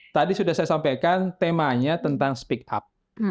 tadi sudah saya sampaikan temanya tentang speak up